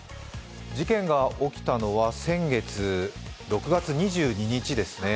事件が起きたのは先月６月２２日ですね。